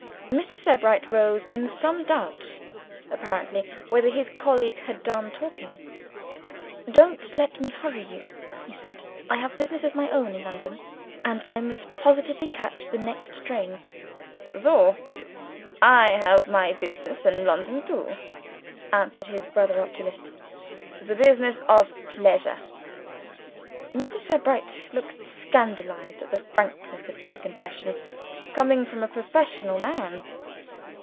Mr. Sebright rose in some doubt, apparently, whether his colleague had done talking. "Don't let me hurry you," he said. "I have business in London; and I must positively catch the next train." "Soh! I have my business in London, too," answered his brother oculist "the business of pleasure." (Mr. Sebright looked scandalized at the frankness of this confession, coming from a professional man).